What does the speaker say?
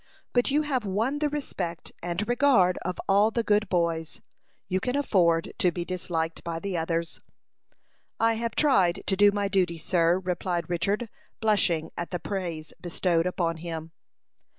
But you have won the respect and regard of all the good boys. You can afford to be disliked by the others." "I have tried to do my duty, sir," replied Richard, blushing at the praise bestowed upon him.